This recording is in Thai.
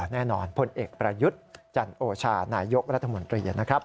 พลเอกประยุทธ์จันโอชานายกรัฐมนตรีนะครับ